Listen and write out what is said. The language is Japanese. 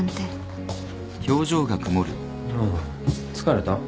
ああ疲れた？